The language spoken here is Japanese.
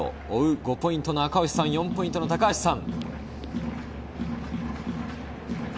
５ポイントの赤星さん、４ポイントの高橋さん。